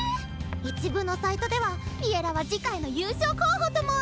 一部のサイトでは「Ｌｉｅｌｌａ！」は次回の優勝候補とも。